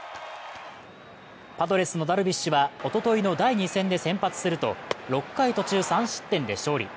パドレスのダルビッシュは、おとといの第２戦で先発すると６回途中、３失点で勝利。